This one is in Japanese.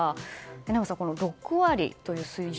榎並さん、６割という水準